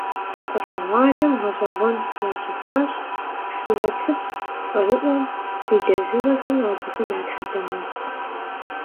Щӏалэгъуалэм гъэщӀэгъуэн ящыхъуащ сурэтыщӀ цӀэрыӀуэм и лэжьыгъэхэмрэ абыхэм я тхыдэмрэ.